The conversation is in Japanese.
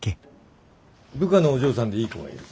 部下のお嬢さんでいい子がいる。